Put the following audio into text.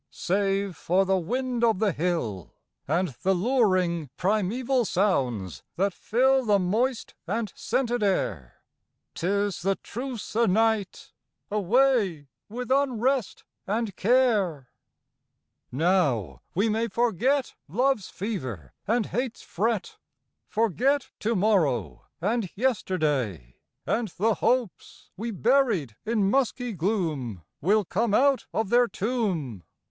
Save for the wind of the hill. And the luring, primeval sounds that fill The moist and scented air — 'Tis the truce o' night, away with unrest and care ! Now we may forget Love's fever and hate's fret. Forget to morrow and yesterday; And the hopes we buried in musky gloom Will come out of their tomb.